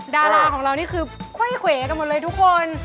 ดาราของเรานี่คือไขว้เขวกันหมดเลยทุกคน